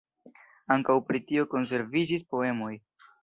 Ankaŭ pri tio konserviĝis poemoj.